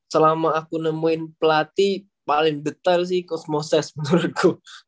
selama aku nemuin pelatih paling detail sih kosmoses menurutku